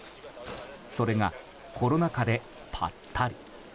それがコロナ禍でぱったり。